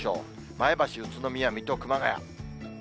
前橋、宇都宮、水戸、熊谷。